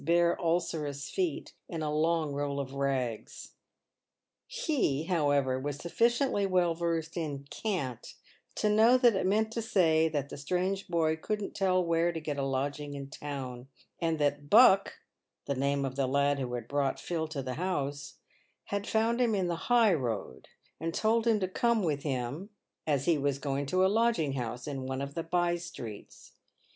bare ulcerous feet in a long roll of rags. He, however, was sufficiently well versed in " cant " to know that it meant to say that the strange boy couldn't tell where to get a lodging in town, and that " Buck" (the name of the lad who had brought Phil to the house) had found him in the high road, and told him to come with him, as he was going to a lodging house in one of the by streets.